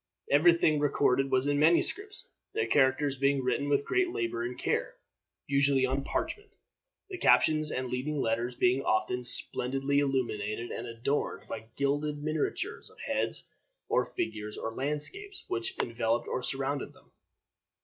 Every thing recorded was in manuscripts, the characters being written with great labor and care, usually on parchment, the captions and leading letters being often splendidly illuminated and adorned by gilded miniatures of heads, or figures, or landscapes, which enveloped or surrounded them.